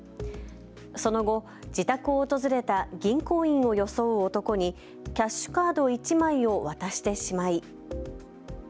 その後、自宅を訪れた銀行員を装う男にキャッシュカード１枚を渡してしまい。